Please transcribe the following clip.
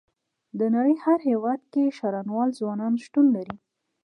د نړۍ هر هيواد کې شرنوال ځوانان شتون لري.